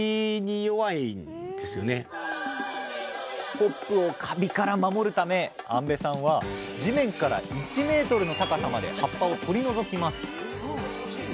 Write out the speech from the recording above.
ホップをカビから守るため安部さんは地面から１ｍの高さまで葉っぱを取り除きます。